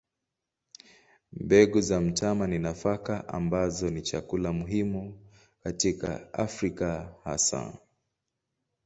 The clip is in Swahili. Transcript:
Mbegu za mtama ni nafaka ambazo ni chakula muhimu katika Afrika hasa.